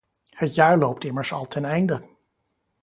Het jaar loopt immers al ten einde.